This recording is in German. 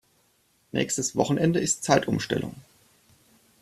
Nächstes Wochenende ist Zeitumstellung.